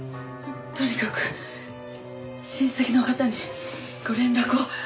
とにかく親戚の方にご連絡を。